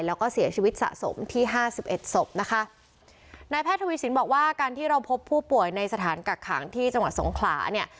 แล้วก็เสียชีวิตสะสมที่ห้าสิบเอ็ดศพนะคะนายแพทย์ทวีสินบอกว่าการที่เราพบผู้ป่วยในสถานกักขังที่จังหวัดสงขลาเนี่ย